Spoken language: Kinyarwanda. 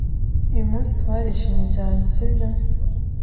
Uyu munsi twarishimye cyane, sibyo?